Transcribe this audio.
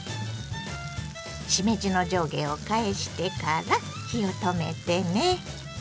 しめじの上下を返してから火を止めてね。